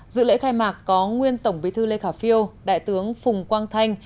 dự lễ khai mạc có nguyên tổng bí thư lê khả phiêu đại tướng phùng quang thanh